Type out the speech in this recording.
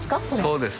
そうです。